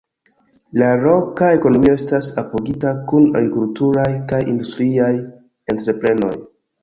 La loka ekonomio estas apogita kun agrikulturaj kaj industriaj entreprenoj.